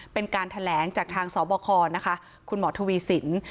เป็นการแถลงจากทางสบคนะคะคุณหมอทวีสิน